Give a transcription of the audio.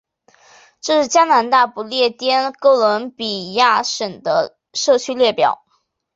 这是加拿大不列颠哥伦比亚省的社区列表。